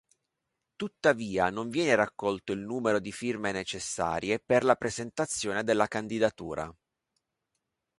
Tuttavia non viene raccolto il numero di firme necessarie per la presentazione della candidatura.